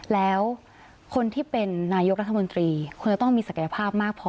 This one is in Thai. แล้วคนที่เป็นนายกรัฐมนตรีควรจะต้องมีศักยภาพมากพอ